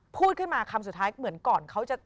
พูดขึ้นมาคำสุดท้ายเหมือนก่อนเขาจะ